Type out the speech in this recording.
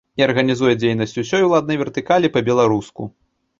І арганізуе дзейнасць усёй уладнай вертыкалі па-беларуску.